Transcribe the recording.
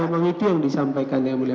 memang itu yang disampaikan ya mulia